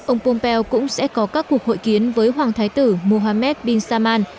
ông pompeo cũng sẽ có các cuộc hội kiến với hoàng thái tử mohamed bin salman